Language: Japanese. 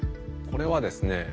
これはですね